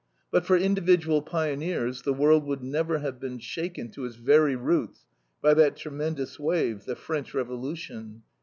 But for individual pioneers the world would have never been shaken to its very roots by that tremendous wave, the French Revolution.